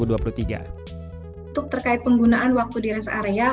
untuk terkait penggunaan waktu di rest area